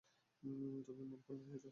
তুমি মনঃক্ষণ হয়েছ?